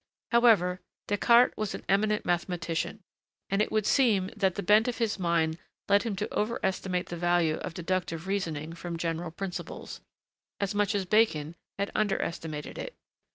However, Descartes was an eminent mathematician, and it would seem that the bent of his mind led him to overestimate the value of deductive reasoning from general principles, as much as Bacon had underestimated it.